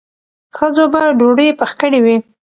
ښځو به ډوډۍ پخ کړې وي.